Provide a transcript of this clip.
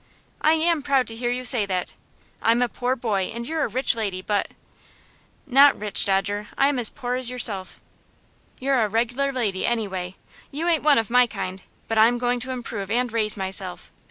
"I am proud to hear you say that. I'm a poor boy, and you're a rich lady, but " "Not rich, Dodger. I am as poor as yourself." "You're a reg'lar lady, anyway. You ain't one of my kind, but I'm going to improve and raise myself.